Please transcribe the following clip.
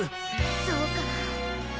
そうか。